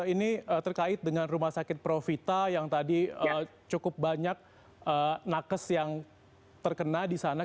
ini terkait dengan rumah sakit profita yang tadi cukup banyak nakes yang terkena di sana